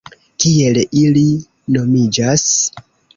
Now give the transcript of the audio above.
Kiel ili nomiĝas?